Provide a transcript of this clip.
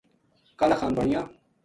کالاخان بانیا